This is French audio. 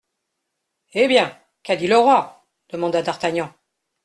Eh bien ! qu'a dit le roi ? demanda d'Artagnan.